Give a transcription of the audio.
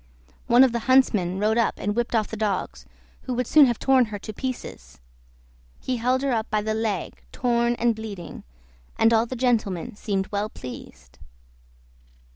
One of the huntsmen rode up and whipped off the dogs, who would soon have torn her to pieces. He held her up by the leg torn and bleeding, and all the gentlemen seemed well pleased.